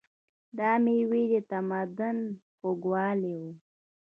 دا مېوې د تمدن خوږوالی و.